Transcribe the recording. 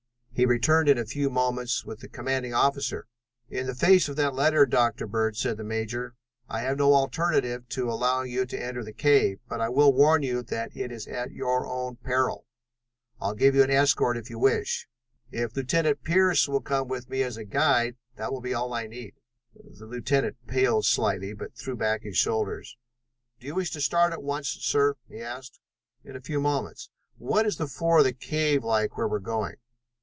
He returned in a few moments with the commanding officer. "In the face of that letter, Dr. Bird," said the major, "I have no alternative to allowing you to enter the cave, but I will warn you that it is at your own peril. I'll give you an escort, if you wish." "If Lieutenant Pearce will come with me as a guide, that will be all that I need." The lieutenant paled slightly, but threw back his shoulders. "Do you wish to start at once, sir?" he asked. "In a few moments. What is the floor of the cave like where we are going?"